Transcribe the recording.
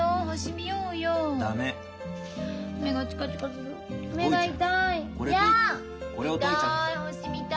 見たい星見たい。